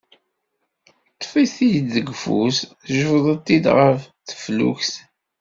Teṭṭef-it-id deg ufus, tejbed-it ɣer teflukt.